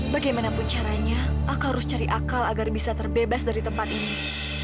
bagaimanapun caranya aka harus cari akal agar bisa terbebas dari tempat ini